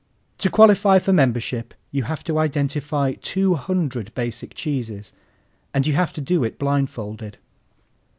To qualify for membership you have to identify two hundred basic cheeses, and you have to do it blindfolded.